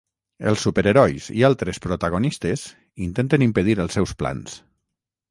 Els superherois i altres protagonistes intenten impedir els seus plans.